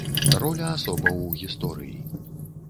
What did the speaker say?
Роля асобаў у гісторыі.